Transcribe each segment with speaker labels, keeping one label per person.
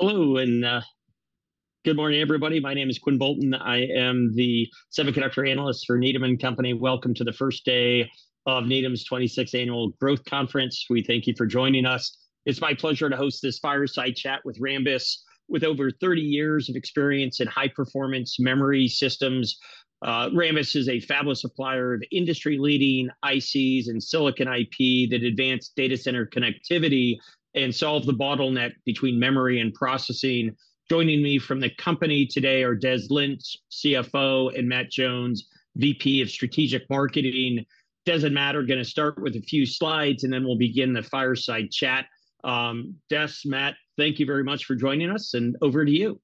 Speaker 1: Hello, and good morning, everybody. My name is Quinn Bolton. I am the semiconductor analyst for Needham & Company. Welcome to the first day of Needham's 26th Annual Growth Conference. We thank you for joining us. It's my pleasure to host this fireside chat with Rambus. With over 30 years of experience in high-performance memory systems, Rambus is a fabless supplier of industry-leading ICs and silicon IP that advance data center connectivity and solve the bottleneck between memory and processing. Joining me from the company today are Des Lynch, CFO, and Matt Jones, VP of Strategic Marketing. Des and Matt are gonna start with a few slides, and then we'll begin the fireside chat. Des, Matt, thank you very much for joining us, and over to you.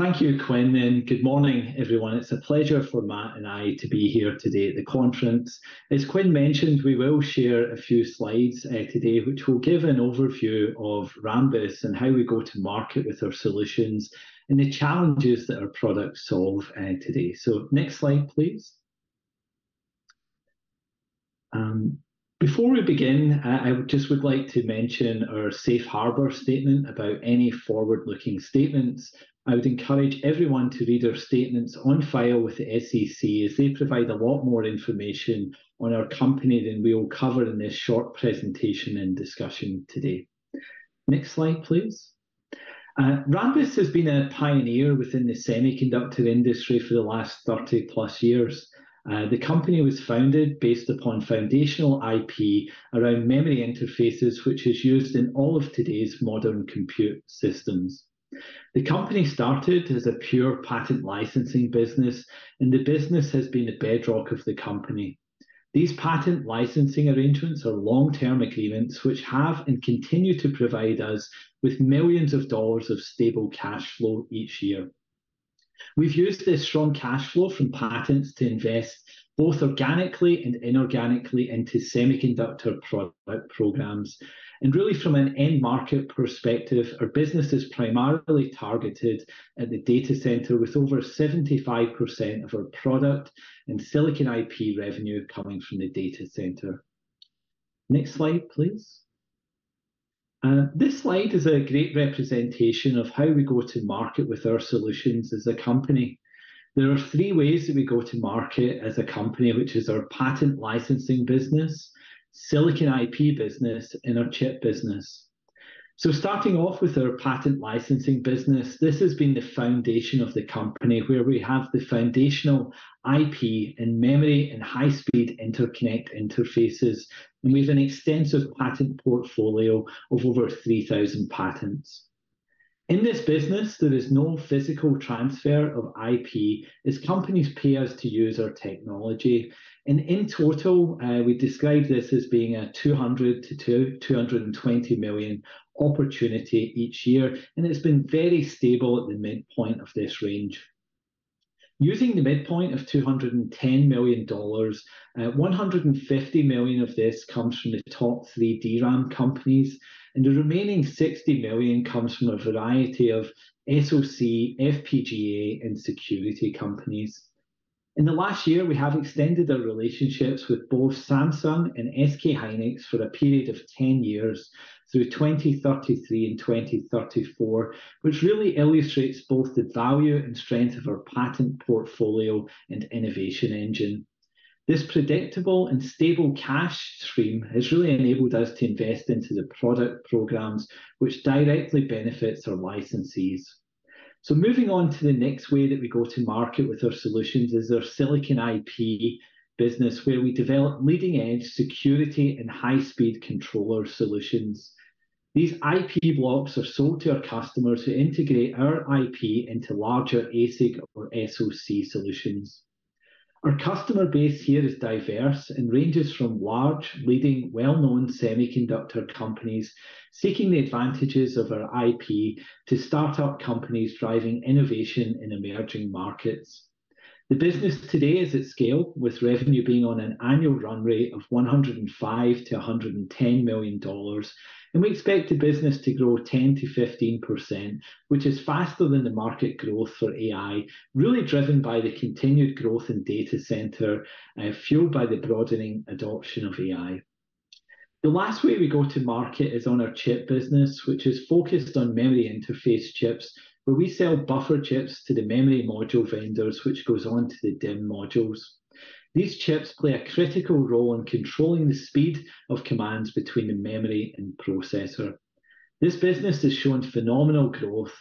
Speaker 2: Thank you, Quinn, and good morning, everyone. It's a pleasure for Matt and I to be here today at the conference. As Quinn mentioned, we will share a few slides today, which will give an overview of Rambus and how we go to market with our solutions and the challenges that our products solve today. So next slide, please. Before we begin, I just would like to mention our safe harbor statement about any forward-looking statements. I would encourage everyone to read our statements on file with the SEC, as they provide a lot more information on our company than we will cover in this short presentation and discussion today. Next slide, please. Rambus has been a pioneer within the semiconductor industry for the last 30+ years. The company was founded based upon foundational IP around memory interfaces, which is used in all of today's modern compute systems. The company started as a pure patent licensing business, and the business has been a bedrock of the company. These patent licensing arrangements are long-term agreements, which have and continue to provide us with $ millions of stable cash flow each year. We've used this strong cash flow from patents to invest both organically and inorganically into semiconductor product programs. Really, from an end market perspective, our business is primarily targeted at the data center, with over 75% of our product and silicon IP revenue coming from the data center. Next slide, please. This slide is a great representation of how we go to market with our solutions as a company. There are three ways that we go to market as a company, which is our patent licensing business, silicon IP business, and our chip business. So starting off with our patent licensing business, this has been the foundation of the company, where we have the foundational IP and memory and high-speed interconnect interfaces, and we have an extensive patent portfolio of over 3,000 patents. In this business, there is no physical transfer of IP, as companies pay us to use our technology. And in total, we describe this as being a $200 million-$220 million opportunity each year, and it's been very stable at the midpoint of this range. Using the midpoint of $210 million, $150 million of this comes from the top three DRAM companies, and the remaining $60 million comes from a variety of SoC, FPGA, and security companies. In the last year, we have extended our relationships with both Samsung and SK Hynix for a period of 10 years, through 2033 and 2034, which really illustrates both the value and strength of our patent portfolio and innovation engine. This predictable and stable cash stream has really enabled us to invest into the product programs, which directly benefits our licensees. So moving on to the next way that we go to market with our solutions is our Silicon IP business, where we develop leading-edge security and high-speed controller solutions. These IP blocks are sold to our customers, who integrate our IP into larger ASIC or SoC solutions. Our customer base here is diverse and ranges from large, leading, well-known semiconductor companies seeking the advantages of our IP to start-up companies driving innovation in emerging markets. The business today is at scale, with revenue being on an annual run rate of $105 million-$110 million, and we expect the business to grow 10%-15%, which is faster than the market growth for AI, really driven by the continued growth in data center, fueled by the broadening adoption of AI. The last way we go to market is on our chip business, which is focused on memory interface chips, where we sell buffer chips to the memory module vendors, which goes on to the DIMM modules. These chips play a critical role in controlling the speed of commands between the memory and processor. This business has shown phenomenal growth,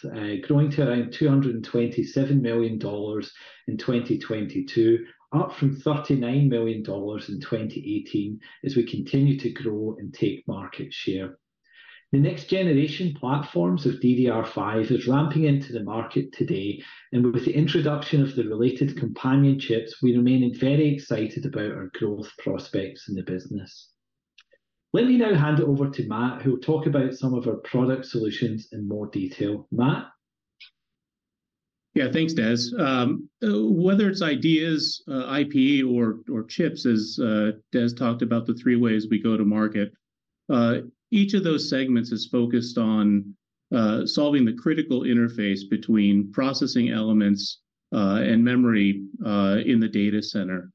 Speaker 2: growing to around $227 million in 2022, up from $39 million in 2018, as we continue to grow and take market share. The next generation platforms of DDR5 is ramping into the market today, and with the introduction of the related companion chips, we remain very excited about our growth prospects in the business. Let me now hand it over to Matt, who will talk about some of our product solutions in more detail. Matt?
Speaker 3: Yeah, thanks, Des. Whether it's ideas, IP, or chips, as Des talked about the three ways we go to market, each of those segments is focused on solving the critical interface between processing elements and memory in the data center.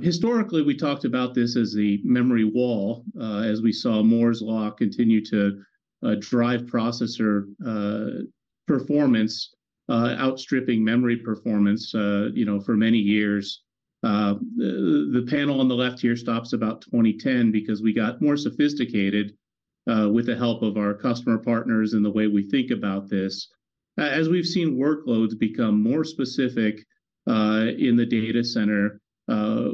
Speaker 3: Historically, we talked about this as the memory wall, as we saw Moore's Law continue to drive processor performance outstripping memory performance, you know, for many years. The panel on the left here stops about 2010 because we got more sophisticated with the help of our customer partners and the way we think about this. As we've seen workloads become more specific in the data center,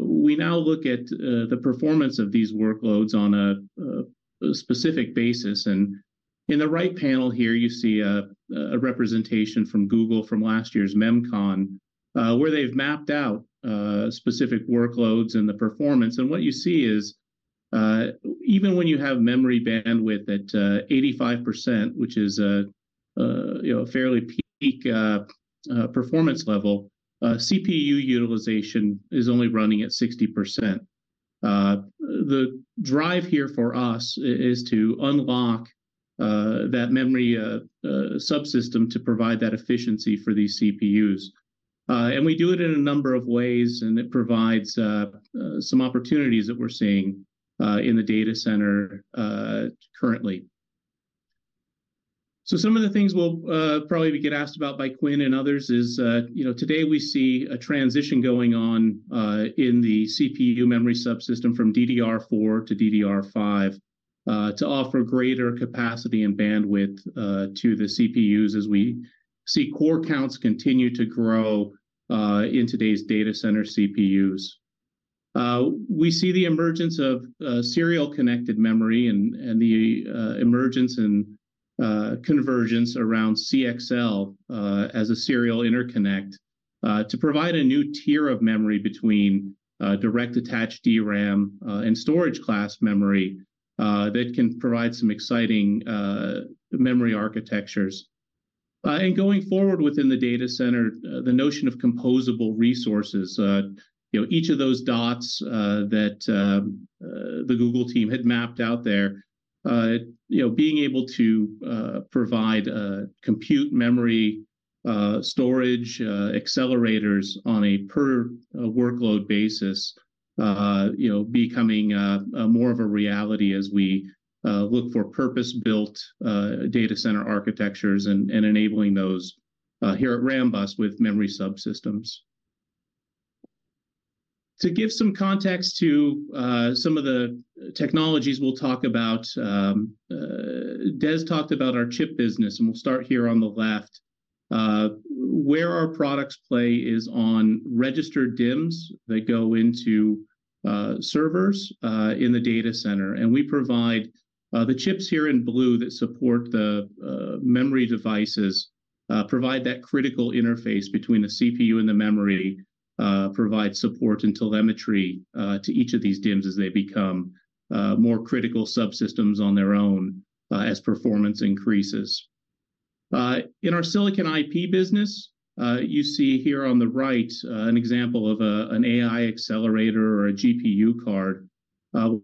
Speaker 3: we now look at the performance of these workloads on a specific basis. And in the right panel here, you see a representation from Google from last year's MemCon, where they've mapped out specific workloads and the performance. What you see is, even when you have memory bandwidth at 85%, which is, you know, a fairly peak performance level, CPU utilization is only running at 60%. The drive here for us is to unlock that memory subsystem to provide that efficiency for these CPUs. And we do it in a number of ways, and it provides some opportunities that we're seeing in the data center currently. So some of the things we'll probably get asked about by Quinn and others is, you know, today we see a transition going on in the CPU memory subsystem from DDR4 to DDR5 to offer greater capacity and bandwidth to the CPUs as we see core counts continue to grow in today's data center CPUs. We see the emergence of serial connected memory and the emergence and convergence around CXL as a serial interconnect to provide a new tier of memory between direct attached DRAM and storage class memory that can provide some exciting memory architectures. And going forward within the data center, the notion of composable resources, you know, each of those dots that the Google team had mapped out there, you know, being able to provide compute memory, storage, accelerators on a per workload basis, you know, becoming a more of a reality as we look for purpose-built data center architectures and enabling those here at Rambus with memory subsystems. To give some context to some of the technologies we'll talk about, Des talked about our chip business, and we'll start here on the left. Where our products play is on registered DIMMs that go into servers in the data center. And we provide the chips here in blue that support the memory devices, provide that critical interface between the CPU and the memory, provide support and telemetry to each of these DIMMs as they become more critical subsystems on their own, as performance increases. In our silicon IP business, you see here on the right an example of an AI accelerator or a GPU card,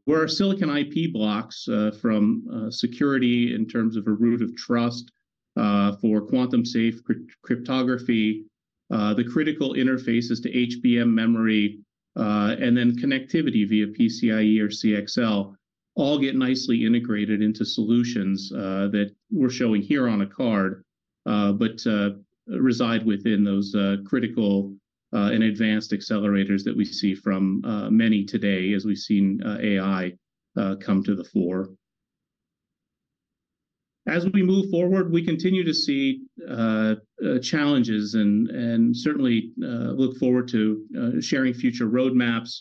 Speaker 3: where our silicon IP blocks from security in terms of a root of trust for quantum safe cryptography, the critical interfaces to HBM memory, and then connectivity via PCIe or CXL, all get nicely integrated into solutions that we're showing here on a card, but reside within those critical and advanced accelerators that we see from many today, as we've seen AI come to the fore. As we move forward, we continue to see challenges and certainly look forward to sharing future roadmaps.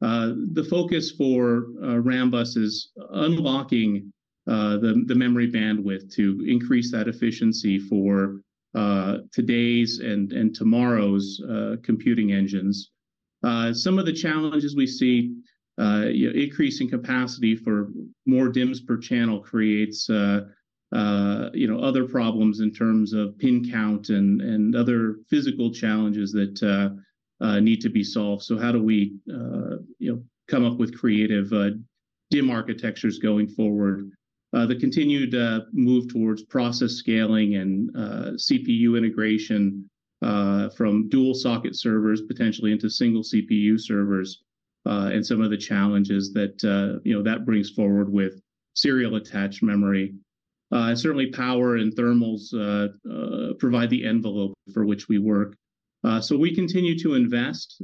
Speaker 3: The focus for Rambus is unlocking the memory bandwidth to increase that efficiency for today's and tomorrow's computing engines. Some of the challenges we see, you know, increasing capacity for more DIMMs per channel creates, you know, other problems in terms of pin count and other physical challenges that need to be solved. So how do we, you know, come up with creative DIMM architectures going forward? The continued move towards process scaling and CPU integration from dual-socket servers, potentially into single CPU servers, and some of the challenges that, you know, that brings forward with serial attached memory. Certainly, power and thermals provide the envelope for which we work. So we continue to invest,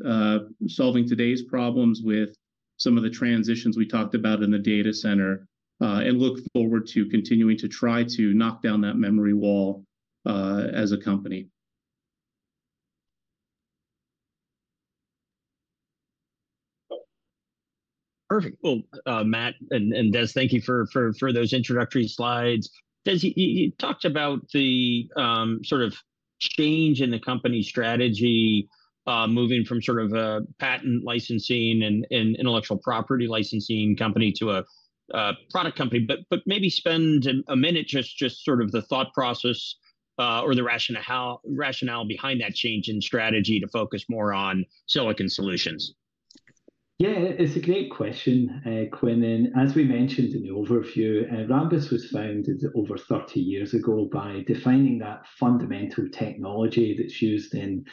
Speaker 3: solving today's problems with some of the transitions we talked about in the data center, and look forward to continuing to try to knock down that Memory Wall, as a company.
Speaker 1: Perfect. Well, Matt and Des, thank you for those introductory slides. Des, you talked about the sort of change in the company's strategy, moving from sort of a patent licensing and intellectual property licensing company to a product company. But maybe spend a minute just sort of the thought process, or the rationale behind that change in strategy to focus more on silicon solutions.
Speaker 2: Yeah, it's a great question, Quinn, and as we mentioned in the overview, Rambus was founded over 30 years ago by defining that fundamental technology that's used in-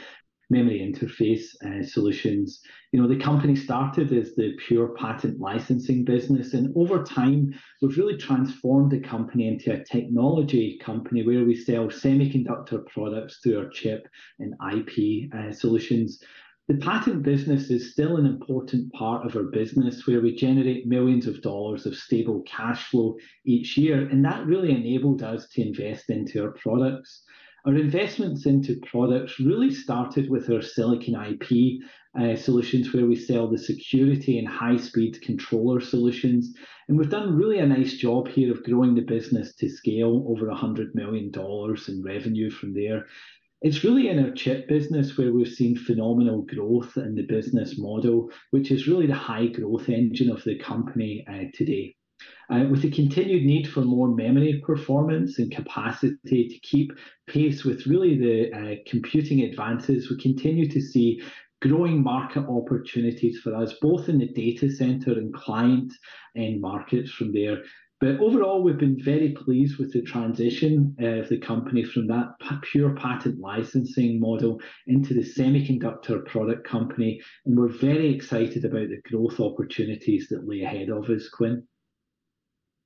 Speaker 2: Memory interface solutions. You know, the company started as the pure patent licensing business, and over time, we've really transformed the company into a technology company, where we sell semiconductor products through our chip and IP solutions. The patent business is still an important part of our business, where we generate millions of dollars of stable cash flow each year, and that really enabled us to invest into our products. Our investments into products really started with our silicon IP solutions, where we sell the security and high-speed controller solutions, and we've done really a nice job here of growing the business to scale over $100 million in revenue from there. It's really in our chip business where we've seen phenomenal growth in the business model, which is really the high growth engine of the company today. With the continued need for more memory performance and capacity to keep pace with really the computing advances, we continue to see growing market opportunities for us, both in the data center and client end markets from there. But overall, we've been very pleased with the transition of the company from that pure patent licensing model into the semiconductor product company, and we're very excited about the growth opportunities that lay ahead of us, Quinn.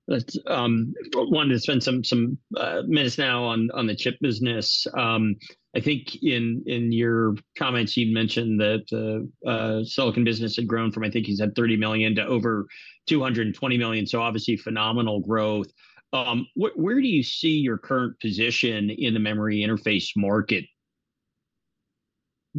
Speaker 1: Let's wanted to spend some, some, minutes now on, on the chip business. I think in, in your comments, you'd mentioned that, silicon business had grown from, I think you said $30 million to over $220 million, so obviously phenomenal growth. Where, where do you see your current position in the memory interface market?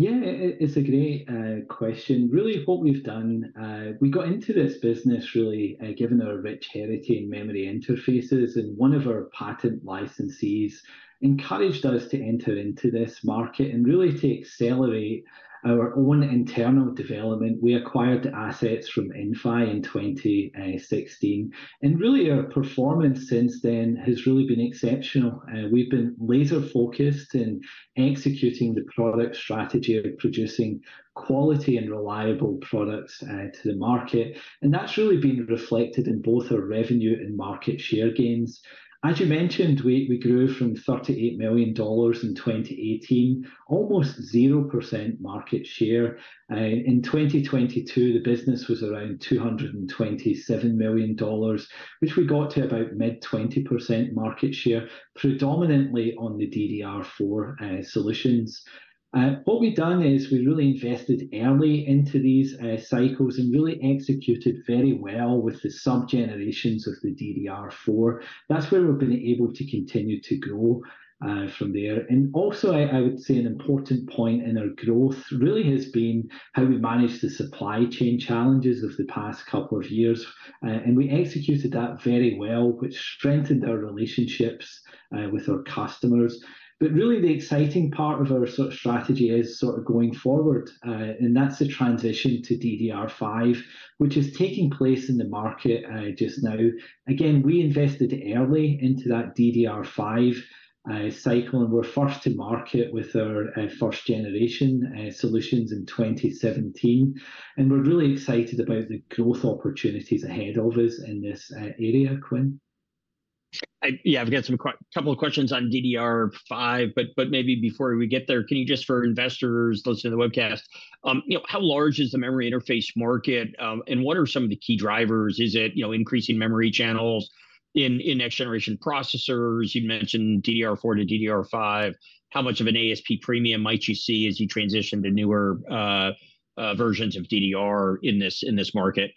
Speaker 2: Yeah, it's a great question. Really, what we've done, we got into this business really, given our rich heritage in memory interfaces, and one of our patent licensees encouraged us to enter into this market. And really to accelerate our own internal development, we acquired the assets from Inphi in 2016, and really our performance since then has really been exceptional. We've been laser focused in executing the product strategy of producing quality and reliable products, to the market, and that's really been reflected in both our revenue and market share gains. As you mentioned, we grew from $38 million in 2018, almost 0% market share. In 2022, the business was around $227 million, which we got to about mid-20% market share, predominantly on the DDR4 solutions. What we've done is we really invested early into these cycles and really executed very well with the sub-generations of the DDR4. That's where we've been able to continue to grow from there. And also, I would say an important point in our growth really has been how we managed the supply chain challenges of the past couple of years and we executed that very well, which strengthened our relationships with our customers. But really, the exciting part of our strategy is sort of going forward, and that's the transition to DDR5, which is taking place in the market just now. Again, we invested early into that DDR5 cycle, and we're first to market with our first-generation solutions in 2017, and we're really excited about the growth opportunities ahead of us in this area, Quinn.
Speaker 1: Yeah, I've got a couple of questions on DDR5, but maybe before we get there, can you just for investors listening to the webcast, you know, how large is the memory interface market, and what are some of the key drivers? Is it, you know, increasing memory channels in next-generation processors? You mentioned DDR4 to DDR5. How much of an ASP premium might you see as you transition to newer versions of DDR in this market?
Speaker 2: Yeah,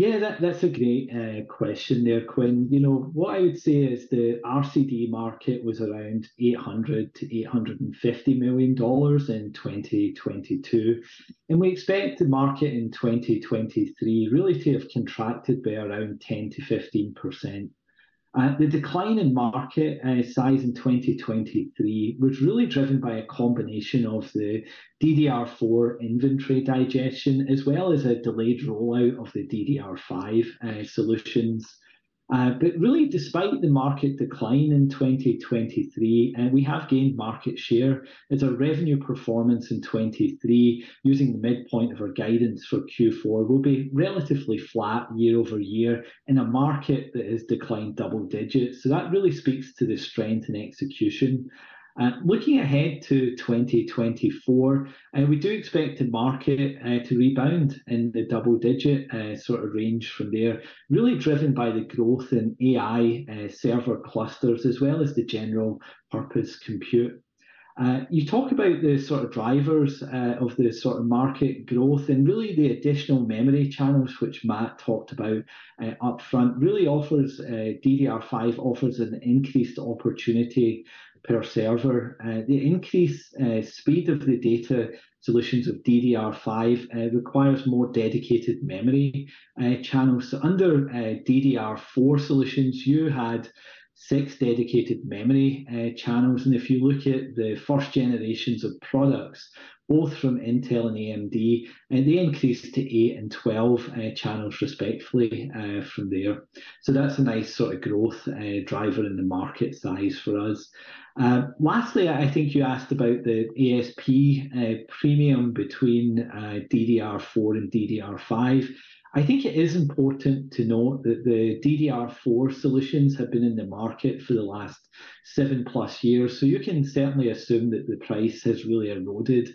Speaker 2: that's a great question there, Quinn. You know, what I would say is the RCD market was around $800-$850 million in 2022, and we expect the market in 2023 really to have contracted by around 10%-15%. The decline in market size in 2023 was really driven by a combination of the DDR4 inventory digestion, as well as a delayed rollout of the DDR5 solutions. But really, despite the market decline in 2023, and we have gained market share, it's our revenue performance in 2023, using the midpoint of our guidance for Q4, will be relatively flat year over year in a market that has declined double digits. So that really speaks to the strength and execution. Looking ahead to 2024, and we do expect the market to rebound in the double-digit sort of range from there, really driven by the growth in AI server clusters, as well as the general purpose compute. You talk about the sort of drivers of the sort of market growth and really the additional memory channels, which Matt talked about upfront, really offers, DDR5 offers an increased opportunity per server. The increased speed of the data solutions of DDR5 requires more dedicated memory channels. So under DDR4 solutions, you had 6 dedicated memory channels, and if you look at the first generations of products, both from Intel and AMD, and they increased to 8 and 12 channels respectively, from there. So that's a nice sort of growth driver in the market size for us. Lastly, I think you asked about the ASP premium between DDR4 and DDR5. I think it is important to note that the DDR4 solutions have been in the market for the last 7+ years, so you can certainly assume that the price has really eroded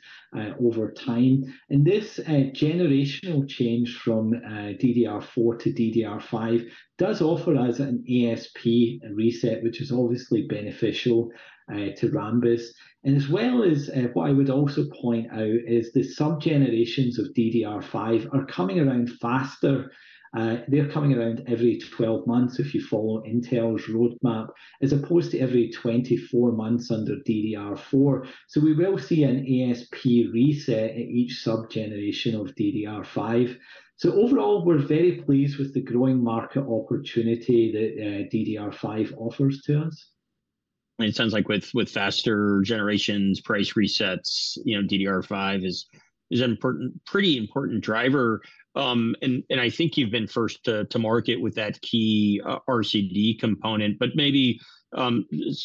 Speaker 2: over time. And this generational change from DDR4 to DDR5 does offer us an ASP reset, which is obviously beneficial to Rambus. And as well as what I would also point out is the sub-generations of DDR5 are coming around faster. They're coming around every 12 months, if you follow Intel's roadmap, as opposed to every 24 months under DDR4. So we will see an ASP reset in each sub-generation of DDR5. Overall, we're very pleased with the growing market opportunity that DDR5 offers to us.
Speaker 1: It sounds like with faster generations, price resets, you know, DDR5 is an important, pretty important driver. And I think you've been first to market with that key RCD component, but maybe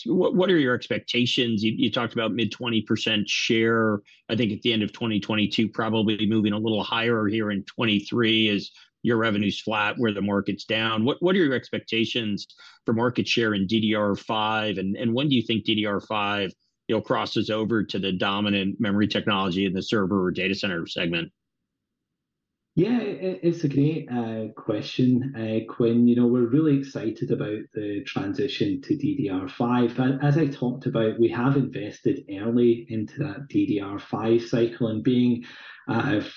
Speaker 1: what are your expectations? You talked about mid-20% share, I think, at the end of 2022, probably moving a little higher here in 2023 as your revenue's flat, where the market's down. What are your expectations for market share in DDR5, and when do you think DDR5, you know, crosses over to the dominant memory technology in the server or data center segment?
Speaker 2: Yeah, it's a great question, Quinn. You know, we're really excited about the transition to DDR5. And as I talked about, we have invested early into that DDR5 cycle, and being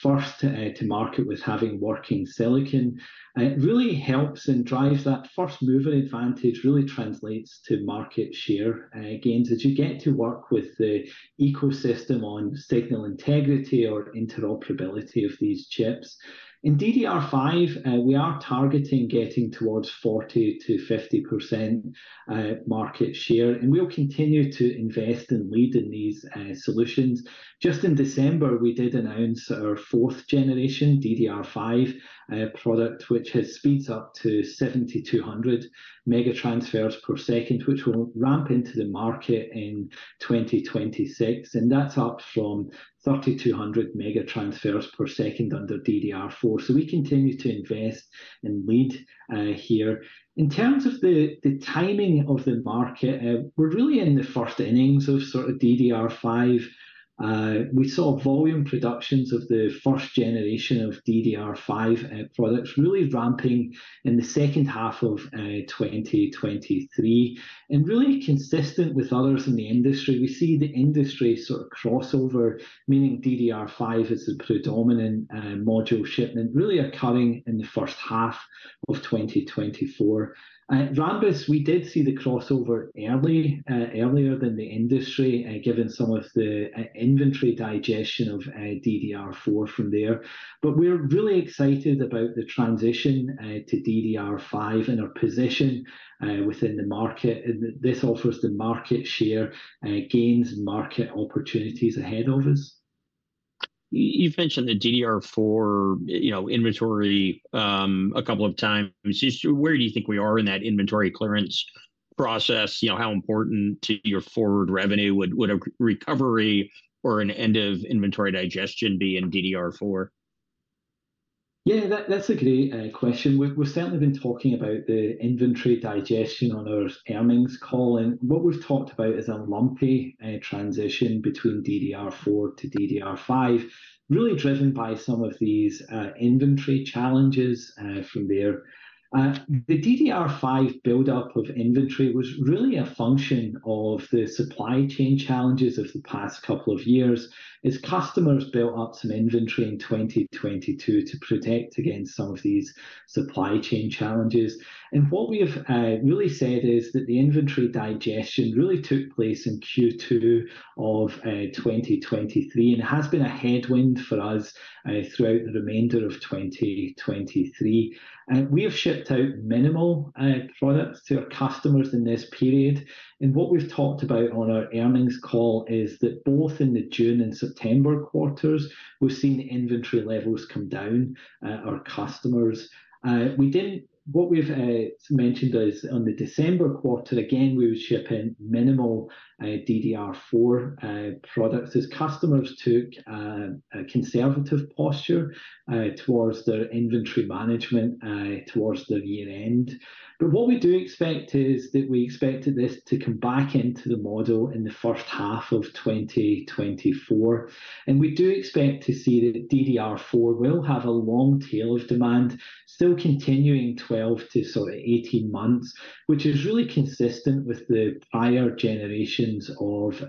Speaker 2: first to market with having working silicon, it really helps and drives that first mover advantage, really translates to market share gains, as you get to work with the ecosystem on signal integrity or interoperability of these chips. In DDR5, we are targeting getting towards 40%-50% market share, and we'll continue to invest and lead in these solutions. Just in December, we did announce our fourth generation DDR5 product, which has speeds up to 7,200 mega transfers per second, which will ramp into the market in 2026, and that's up from 3,200 mega transfers per second under DDR4. So we continue to invest and lead here. In terms of the timing of the market, we're really in the first innings of sort of DDR5. We saw volume productions of the first generation of DDR5 products really ramping in the second half of 2023. Really consistent with others in the industry, we see the industry sort of crossover, meaning DDR5 is the predominant module shipment really occurring in the first half of 2024. At Rambus, we did see the crossover early, earlier than the industry, given some of the inventory digestion of DDR4 from there. But we're really excited about the transition to DDR5 and our position within the market, and this offers the market share gains and market opportunities ahead of us.
Speaker 1: You've mentioned the DDR4, you know, inventory a couple of times. Just where do you think we are in that inventory clearance process? You know, how important to your forward revenue would a recovery or an end of inventory digestion be in DDR4?
Speaker 2: Yeah, that, that's a great question. We've, we've certainly been talking about the inventory digestion on our earnings call, and what we've talked about is a lumpy transition between DDR4 to DDR5, really driven by some of these inventory challenges from there. The DDR5 buildup of inventory was really a function of the supply chain challenges of the past couple of years, as customers built up some inventory in 2022 to protect against some of these supply chain challenges. And what we have really said is that the inventory digestion really took place in Q2 of 2023, and it has been a headwind for us throughout the remainder of 2023. And we have shipped out minimal products to our customers in this period, and what we've talked about on our earnings call is that both in the June and September quarters, we've seen inventory levels come down, our customers. What we've mentioned is on the December quarter, again, we were shipping minimal DDR4 products, as customers took a conservative posture towards their inventory management towards the year-end. But what we do expect is that we expected this to come back into the model in the first half of 2024, and we do expect to see that DDR4 will have a long tail of demand, still continuing 12 to sort of 18 months, which is really consistent with the prior generations of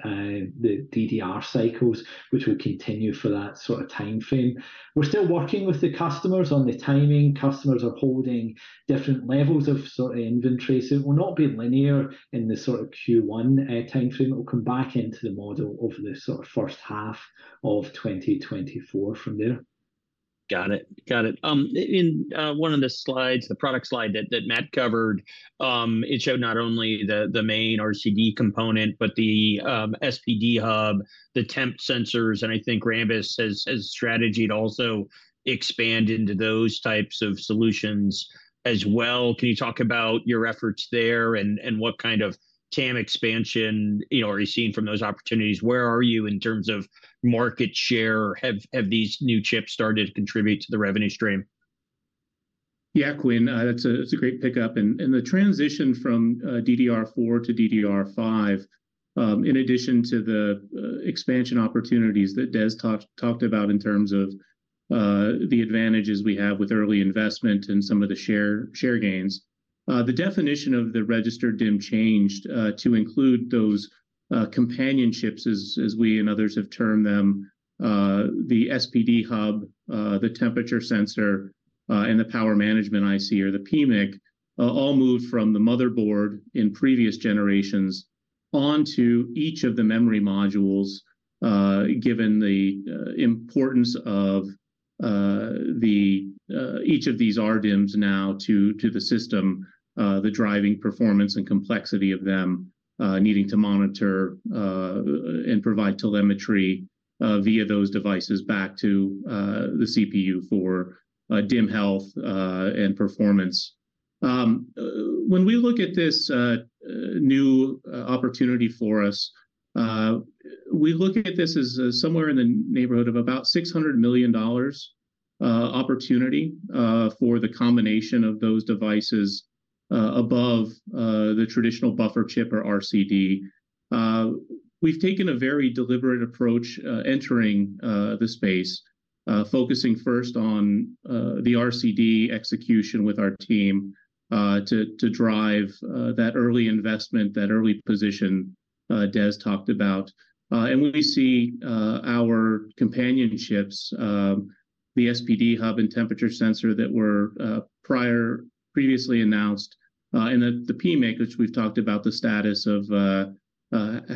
Speaker 2: the DDR cycles, which will continue for that sort of timeframe. We're still working with the customers on the timing. Customers are holding different levels of sort of inventory, so it will not be linear in the sort of Q1 timeframe. It will come back into the model over the sort of first half of 2024 from there.
Speaker 1: Got it. Got it. In one of the slides, the product slide that Matt covered, it showed not only the main RCD component, but the SPD hub, the temp sensors, and I think Rambus has strategied also expand into those types of solutions as well. Can you talk about your efforts there, and what kind of TAM expansion, you know, are you seeing from those opportunities? Where are you in terms of market share, or have these new chips started to contribute to the revenue stream?
Speaker 3: Yeah, Quinn, that's a great pickup, and the transition from DDR4 to DDR5, in addition to the expansion opportunities that Des talked about in terms of the advantages we have with early investment and some of the share gains. The definition of the Registered DIMM changed to include those companion chips, as we and others have termed them. The SPD Hub, the Temperature Sensor, and the Power Management IC, or the PMIC, all moved from the motherboard in previous generations onto each of the memory modules, given the importance of-... Each of these RDIMMs now to the system, the driving performance and complexity of them, needing to monitor and provide telemetry via those devices back to the CPU for DIMM health and performance. When we look at this new opportunity for us, we look at this as somewhere in the neighborhood of about $600 million opportunity for the combination of those devices above the traditional buffer chip or RCD. We've taken a very deliberate approach entering the space, focusing first on the RCD execution with our team to drive that early investment, that early position Des talked about. And we see our companion chips, the SPD Hub and Temperature Sensor that were previously announced, and the PMIC, which we've talked about the status of,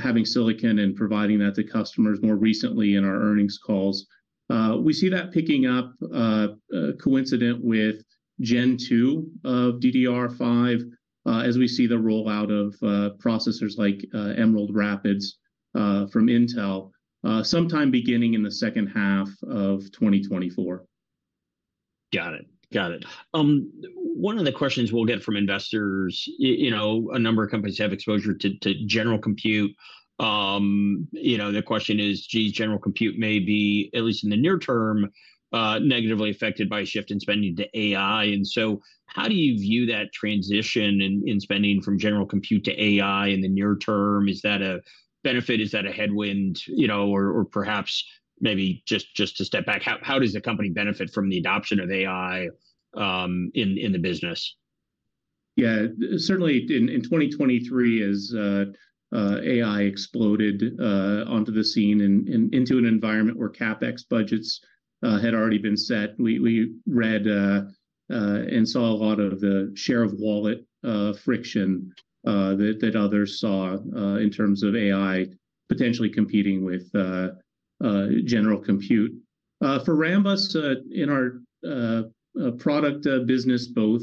Speaker 3: having silicon and providing that to customers more recently in our earnings calls. We see that picking up, coincident with Gen 2 of DDR5, as we see the rollout of processors like Emerald Rapids from Intel, sometime beginning in the second half of 2024.
Speaker 1: Got it. Got it. One of the questions we'll get from investors, you know, a number of companies have exposure to general compute. You know, the question is, gee, general compute may be, at least in the near term, negatively affected by a shift in spending to AI. And so how do you view that transition in spending from general compute to AI in the near term? Is that a benefit? Is that a headwind, you know, or perhaps maybe just to step back, how does the company benefit from the adoption of AI in the business?
Speaker 3: Yeah. Certainly in 2023, as AI exploded onto the scene and into an environment where CapEx budgets had already been set, we read and saw a lot of the share of wallet friction that others saw in terms of AI potentially competing with general compute. For Rambus, in our product business, both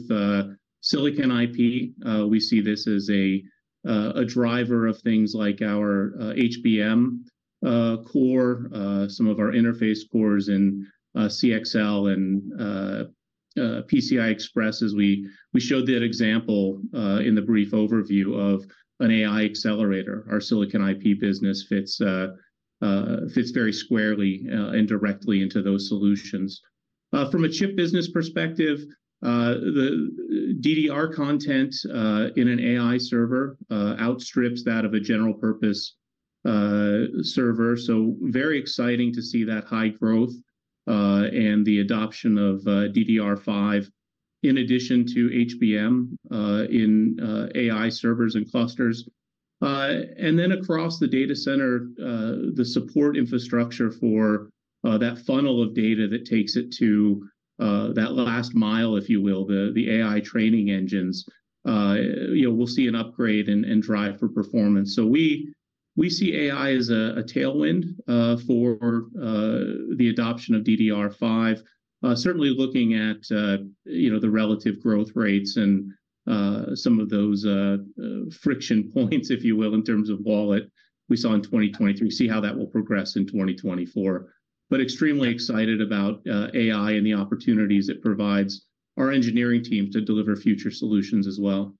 Speaker 3: silicon IP, we see this as a driver of things like our HBM core, some of our interface cores in CXL and PCI Express. As we showed that example in the brief overview of an AI accelerator. Our silicon IP business fits very squarely and directly into those solutions. From a chip business perspective, the DDR content in an AI server outstrips that of a general purpose server. So very exciting to see that high growth and the adoption of DDR5, in addition to HBM, in AI servers and clusters. And then across the data center, the support infrastructure for that funnel of data that takes it to that last mile, if you will, the AI training engines, you know, we'll see an upgrade and drive for performance. So we see AI as a tailwind for the adoption of DDR5. Certainly looking at, you know, the relative growth rates and some of those friction points, if you will, in terms of wallet we saw in 2023. See how that will progress in 2024. But extremely excited about AI and the opportunities it provides our engineering team to deliver future solutions as well.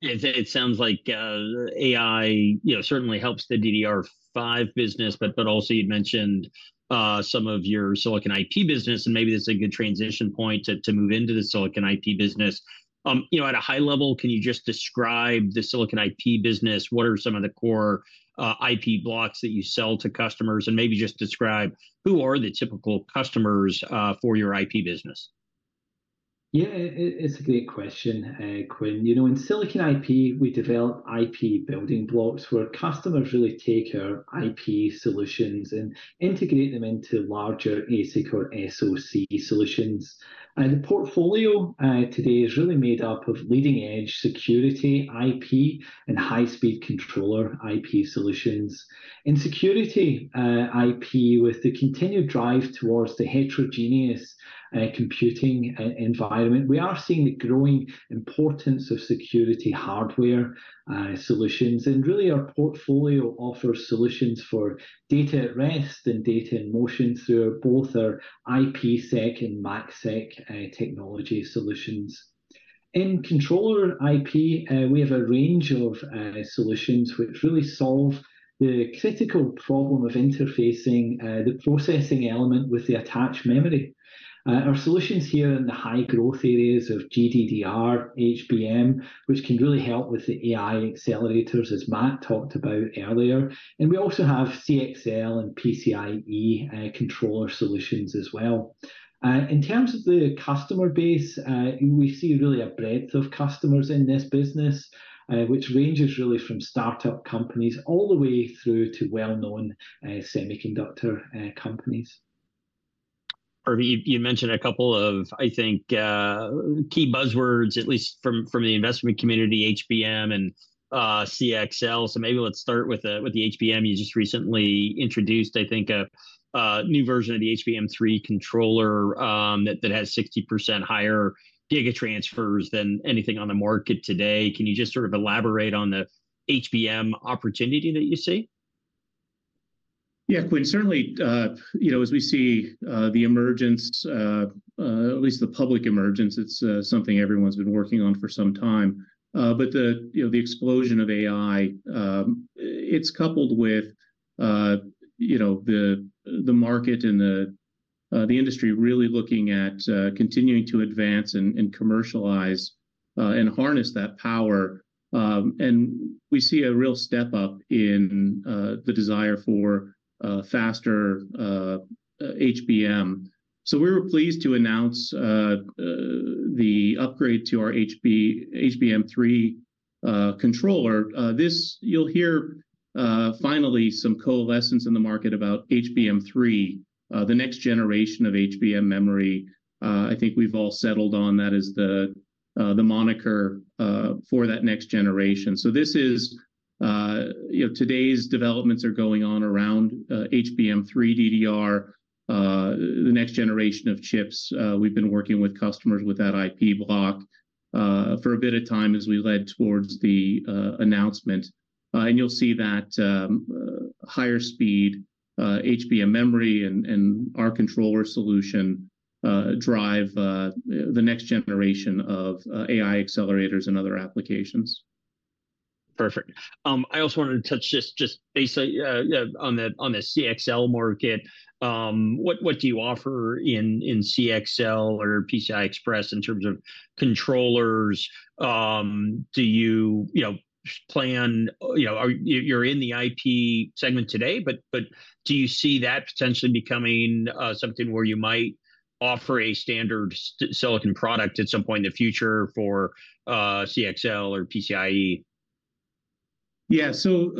Speaker 1: It, it sounds like, AI, you know, certainly helps the DDR5 business, but, but also you mentioned, some of your silicon IP business, and maybe this is a good transition point to, to move into the silicon IP business. You know, at a high level, can you just describe the silicon IP business? What are some of the core, IP blocks that you sell to customers? And maybe just describe who are the typical customers, for your IP business.
Speaker 2: Yeah, it's a great question, Quinn. You know, in silicon IP, we develop IP building blocks where customers really take our IP solutions and integrate them into larger ASIC or SoC solutions. And the portfolio today is really made up of leading-edge security IP and high-speed controller IP solutions. In security IP, with the continued drive towards the heterogeneous computing environment, we are seeing the growing importance of security hardware solutions. And really, our portfolio offers solutions for data at rest and data in motion through both our IPsec and MACsec technology solutions. In controller IP, we have a range of solutions which really solve the critical problem of interfacing the processing element with the attached memory. Our solutions here in the high growth areas of GDDR, HBM, which can really help with the AI accelerators, as Matt talked about earlier, and we also have CXL and PCIe controller solutions as well. In terms of the customer base, we see really a breadth of customers in this business, which ranges really from start-up companies all the way through to well-known semiconductor companies.
Speaker 1: Matt, you mentioned a couple of, I think, key buzzwords, at least from the investment community, HBM and CXL. So maybe let's start with the HBM. You just recently introduced, I think, a new version of the HBM3 controller that has 60% higher gigatransfers than anything on the market today. Can you just sort of elaborate on the HBM opportunity that you see?
Speaker 3: Yeah, Quinn, certainly, you know, as we see the emergence, at least the public emergence, it's something everyone's been working on for some time. But the, you know, the explosion of AI, it's coupled with, you know, the, the market and the, the industry really looking at continuing to advance and commercialize and harness that power. And we see a real step up in the desire for faster HBM. So we were pleased to announce the upgrade to our HBM3 controller. This, you'll hear, finally some coalescence in the market about HBM3, the next generation of HBM memory. I think we've all settled on that as the moniker for that next generation. So this is, you know, today's developments are going on around, HBM, DDR3, the next generation of chips. We've been working with customers with that IP block, for a bit of time as we led towards the, announcement. And you'll see that, higher speed, HBM memory and, and our controller solution, drive, the next generation of, AI accelerators and other applications.
Speaker 1: Perfect. I also wanted to touch just basically on the CXL market. What do you offer in CXL or PCI Express in terms of controllers? You know, are you in the IP segment today, but do you see that potentially becoming something where you might offer a standard silicon product at some point in the future for CXL or PCIe?
Speaker 3: Yeah. So,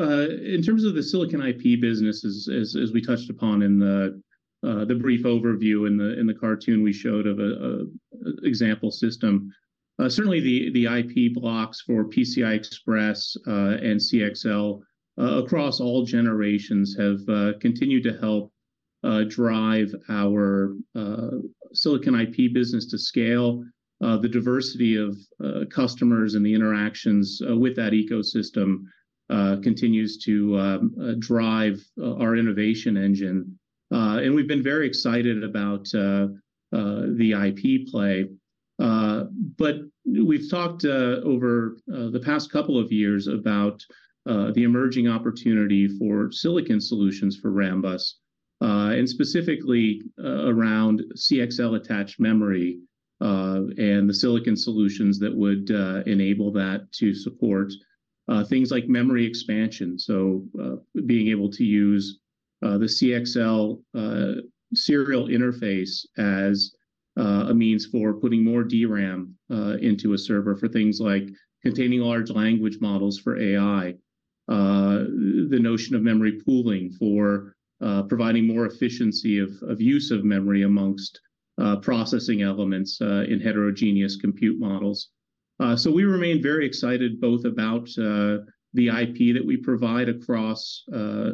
Speaker 3: in terms of the Silicon IP business, as we touched upon in the brief overview in the cartoon we showed of an example system. Certainly the IP blocks for PCI Express and CXL across all generations have continued to help drive our Silicon IP business to scale. The diversity of customers and the interactions with that ecosystem continues to drive our innovation engine. And we've been very excited about the IP play. But we've talked over the past couple of years about the emerging opportunity for silicon solutions for Rambus and specifically around CXL-attached memory and the silicon solutions that would enable that to support things like memory expansion. So, being able to use the CXL serial interface as a means for putting more DRAM into a server for things like containing large language models for AI. The notion of memory pooling for providing more efficiency of use of memory amongst processing elements in heterogeneous compute models. So we remain very excited both about the IP that we provide across a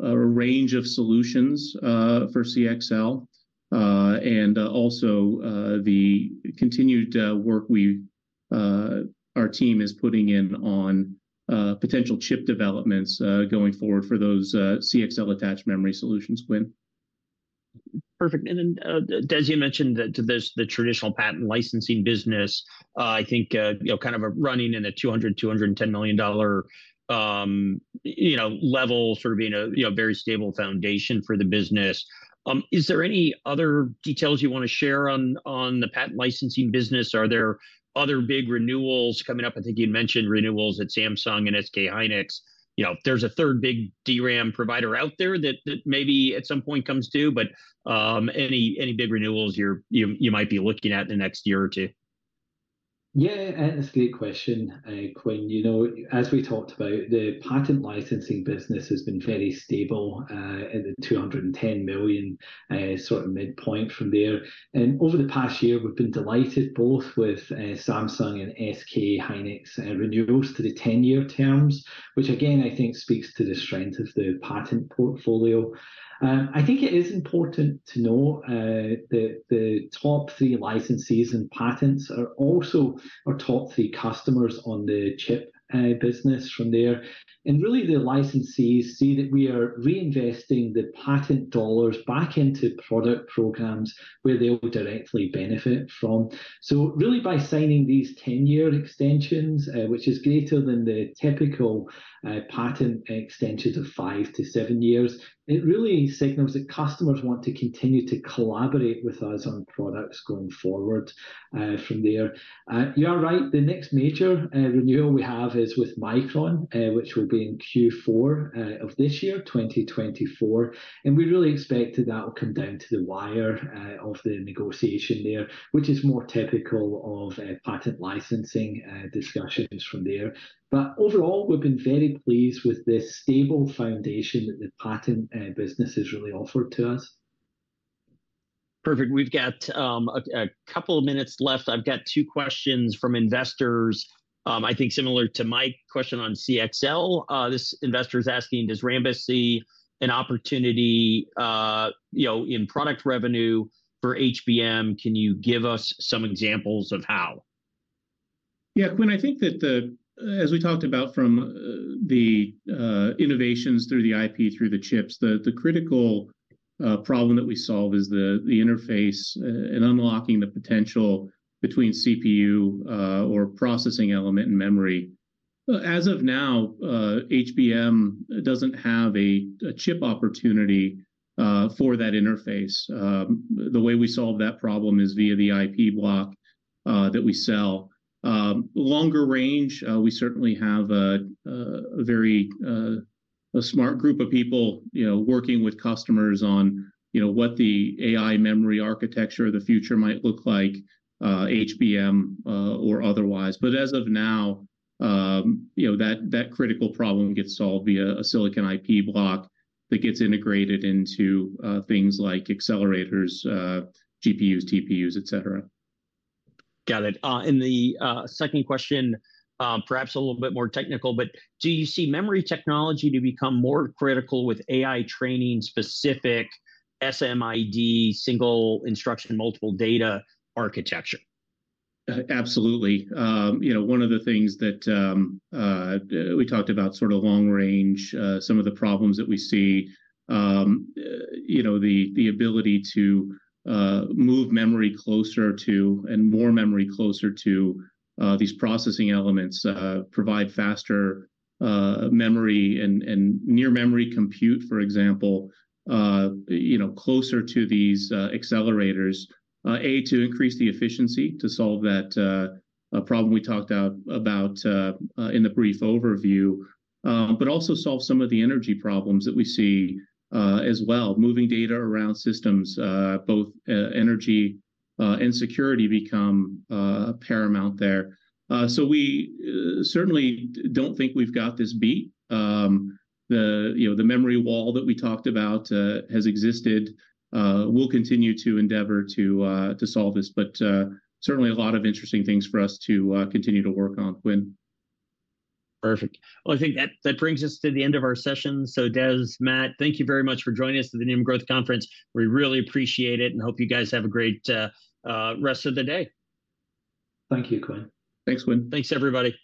Speaker 3: range of solutions for CXL, and also the continued work our team is putting in on potential chip developments going forward for those CXL-attached memory solutions, Quinn.
Speaker 1: Perfect. And then, Des mentioned that to this, the traditional patent licensing business, I think, you know, kind of a running in a $200-$210 million, you know, level, sort of being a, you know, very stable foundation for the business. Is there any other details you wanna share on, on the patent licensing business? Are there other big renewals coming up? I think you mentioned renewals at Samsung and SK Hynix. You know, there's a third big DRAM provider out there that, that maybe at some point comes due, but, any, any big renewals you're, you, you might be looking at in the next year or two?
Speaker 2: Yeah, that's a great question, Quinn. You know, as we talked about, the patent licensing business has been very stable at the $210 million sort of midpoint from there. And over the past year, we've been delighted both with Samsung and SK Hynix renewals to the 10-year terms, which again, I think speaks to the strength of the patent portfolio. I think it is important to know that the top three licensees and patents are also our top three customers on the chip business from there. And really, the licensees see that we are reinvesting the patent dollars back into product programs where they will directly benefit from. So really by signing these 10-year extensions, which is greater than the typical patent extensions of 5-7 years, it really signals that customers want to continue to collaborate with us on products going forward, from there. You are right, the next major renewal we have is with Micron, which will be in Q4 of this year, 2024, and we really expected that will come down to the wire of the negotiation there, which is more typical of patent licensing discussions from there. But overall, we've been very pleased with the stable foundation that the patent business has really offered to us.
Speaker 1: Perfect. We've got a couple of minutes left. I've got two questions from investors. I think similar to my question on CXL, this investor is asking, "Does Rambus see an opportunity, you know, in product revenue for HBM? Can you give us some examples of how?
Speaker 3: Yeah, Quinn, I think that as we talked about from the innovations through the IP, through the chips, the critical problem that we solve is the interface and unlocking the potential between CPU or processing element and memory. As of now, HBM doesn't have a chip opportunity for that interface. The way we solve that problem is via the IP block that we sell. Longer range, we certainly have a very smart group of people, you know, working with customers on, you know, what the AI memory architecture of the future might look like, HBM or otherwise. But as of now, you know, that critical problem gets solved via a silicon IP block that gets integrated into things like accelerators, GPUs, TPUs, et cetera.
Speaker 1: Got it. And the second question, perhaps a little bit more technical, but do you see memory technology to become more critical with AI training, specific SIMD, single instruction, multiple data architecture?
Speaker 3: Absolutely. You know, one of the things that we talked about sort of long range, some of the problems that we see, you know, the ability to move memory closer to, and more memory closer to, these processing elements, provide faster memory and near memory compute, for example, you know, closer to these accelerators. To increase the efficiency to solve that problem we talked about in the brief overview. But also solve some of the energy problems that we see as well. Moving data around systems, both energy and security become paramount there. So we certainly don't think we've got this beat. You know, the Memory Wall that we talked about has existed. We'll continue to endeavor to solve this, but certainly a lot of interesting things for us to continue to work on, Quinn.
Speaker 1: Perfect. Well, I think that brings us to the end of our session. So Des, Matt, thank you very much for joining us to the Needham Growth Conference. We really appreciate it, and hope you guys have a great rest of the day.
Speaker 2: Thank you, Quinn.
Speaker 3: Thanks, Quinn.
Speaker 1: Thanks, everybody.